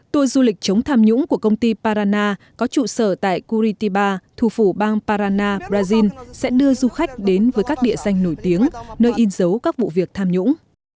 tour du lịch chống tham nhũng của công ty parana có trụ sở tại kurityba thủ phủ bang parana brazil sẽ đưa du khách đến với các địa danh nổi tiếng nơi in dấu các vụ việc tham nhũng